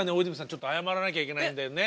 ちょっと謝らなきゃいけないんだよね。